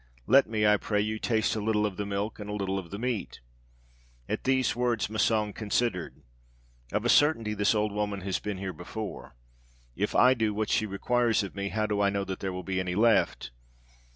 Let me, I pray you, taste a little of the milk and a little of the meat.' At these words Massang considered, 'Of a certainty this old woman has been here before. If I do what she requires of me, how do I know that there will be any left?'